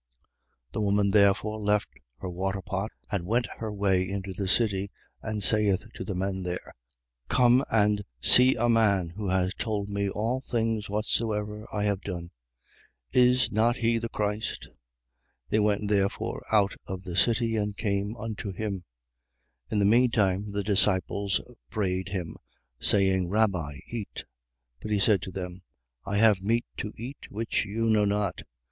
4:28. The woman therefore left her waterpot and went her way into the city and saith to the men there: 4:29. Come, and see a man who has told me all things whatsoever I have done. Is not he the Christ? 4:30. They went therefore out of the city and came unto him. 4:31. In the mean time, the disciples prayed him, saying: Rabbi, eat. 4:32. But he said to them: I have meat to eat which you know not.